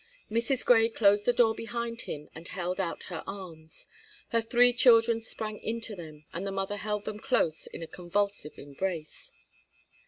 Mrs. Grey closed the door behind him and held out her arms. Her three children sprang into them, and the mother held them close in a convulsive embrace.